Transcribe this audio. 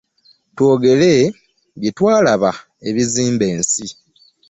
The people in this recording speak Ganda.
Twogere byetwalaba ebizimba ensi .